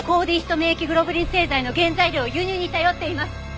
免疫グロブリン製剤の原材料を輸入に頼っています。